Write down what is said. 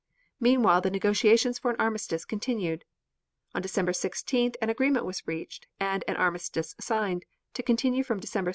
Meanwhile the negotiations for an armistice continued. On December 16th an agreement was reached and an armistice signed, to continue from December 17th to January 14th, 1918.